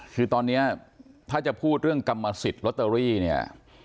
คือตอนนี้ถ้าจะพูดเรื่องกรรมสิทธิ์ลอตเตอรี่เนี่ย